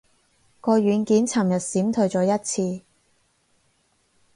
個軟件尋日閃退咗一次